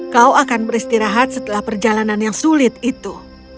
kau akan beristirahat setelah perjalanan yang sulit itu